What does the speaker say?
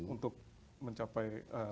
untuk mencapai harapan itu